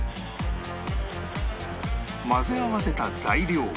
混ぜ合わせた材料を